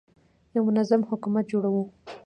یو منظم حکومت جوړوو.